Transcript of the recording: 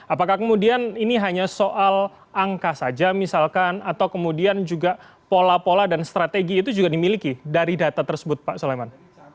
apakah kemudian ini hanya soal angka saja misalkan atau kemudian juga pola pola dan strategi itu juga dimiliki dari data tersebut pak soleman